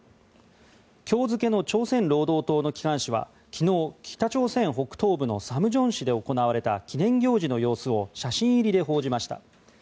今日付の朝鮮労働党の機関紙は昨日、北朝鮮北東部のサムジヨン市で行われた記念行事の様子を写真入りで報じました。